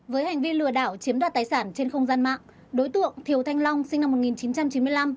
với hành vi lừa đảo chiếm đoạt tài sản trên không gian mạng đối tượng thiều thanh long sinh năm một nghìn chín trăm chín mươi năm